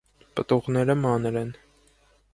Պտուղները մանր են։